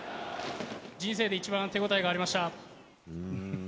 人生で一番手応えがありました。